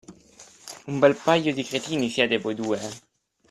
Un bel paio di cretini siete voi due!